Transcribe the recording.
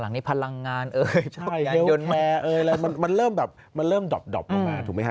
หลังนี้พลังงานโยนแม่มันเริ่มดรอปลงมาถูกไหมคะ